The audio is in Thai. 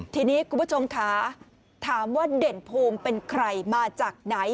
ทีนี้คุณผู้ชมค่ะถามว่าเด่นภูมิเป็นใครมาจากไหน